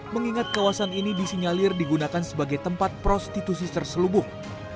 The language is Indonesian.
mengingat kawasan ini disinyalir digunakan sebagai tempat prostitusi terselubung